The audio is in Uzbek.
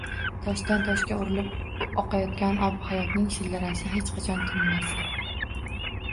Toshdan toshga urilib oqayotgan obihayotning shildirashi hech qachon tinmasin!